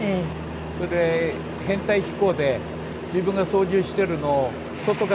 それで編隊飛行で自分が操縦してるのを外からも。